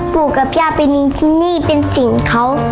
ปู่กับย่าเป็นหนี้เป็นสินเขา